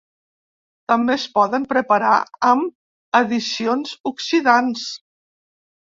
També es poden preparar amb addicions oxidants.